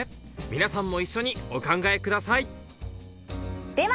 皆さんも一緒にお考えください